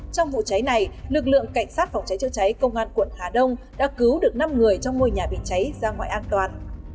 trong vụ cháy này lực lượng cảnh sát phòng cháy chữa cháy công an quận hà đông đã cứu được năm người trong ngôi nhà bị cháy ra ngoại an toàn